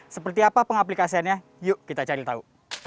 seperti apa pengaplikasiannya yuk kita cari tahu